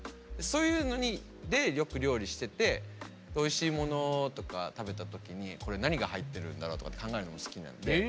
そういうのでよく料理してておいしいものとか食べた時にこれ何が入ってるんだろうとかって考えるの好きになって。